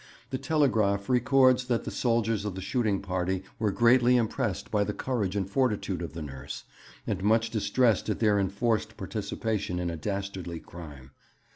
The Telegraaf records that the soldiers of the shooting party were greatly impressed by the courage and fortitude of the nurse, and much distressed at their enforced participation in a dastardly crime.